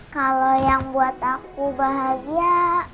kalau yang buat aku bahagia